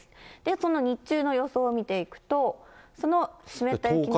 その日中の予想を見ていくと、その湿った雪が。